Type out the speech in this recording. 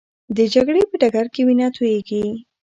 د جګړې په ډګر کې وینه تویېږي.